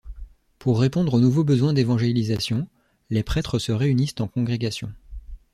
Pour répondre aux nouveaux besoins d'évangélisation, les prêtres se réunissent en congrégations.